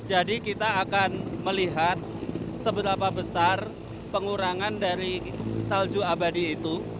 jadi kita akan melihat seberapa besar pengurangan dari salju abadi itu